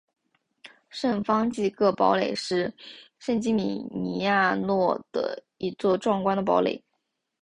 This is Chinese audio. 圣方济各堡垒是圣吉米尼亚诺的一座壮观的堡垒。